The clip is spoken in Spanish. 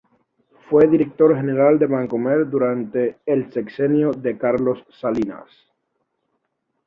Fue director general de Bancomer durante el sexenio de Carlos Salinas.